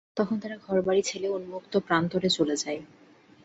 তখন তারা ঘর-বাড়ি ছেড়ে উন্মুক্ত প্রান্তরে চলে যায়।